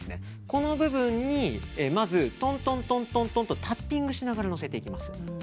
この部分に、まずトントントンとタッピングしながらのせていきます。